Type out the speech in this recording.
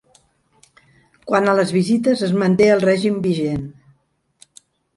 Quant a les visites, es manté el règim vigent.